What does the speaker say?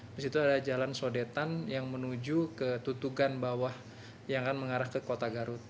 di situ ada jalan sodetan yang menuju ke tutugan bawah yang akan mengarah ke kota garut